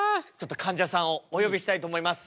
かんじゃさんをお呼びしたいと思います。